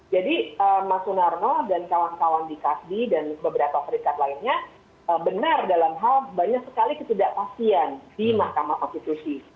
jadi mas sunarno dan kawan kawan di kasdi dan beberapa perikad lainnya benar dalam hal banyak sekali ketidakpastian di mahkamah konstitusi